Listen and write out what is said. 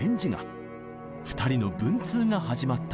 ２人の文通が始まったのです。